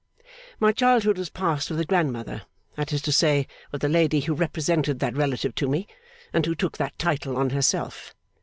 My childhood was passed with a grandmother; that is to say, with a lady who represented that relative to me, and who took that title on herself.